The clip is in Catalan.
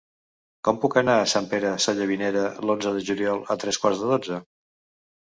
Com puc anar a Sant Pere Sallavinera l'onze de juliol a tres quarts de dotze?